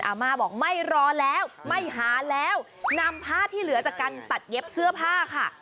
อาม่าบอกไม่รอแล้วไม่หาแล้วนำผ้าที่เหลือจากการตัดเย็บเสื้อผ้าค่ะ